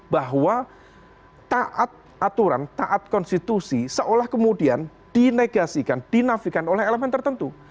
bahwa taat aturan taat konstitusi seolah kemudian dinegasikan dinafikan oleh elemen tertentu